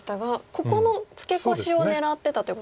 ここのツケコシを狙ってたということですね。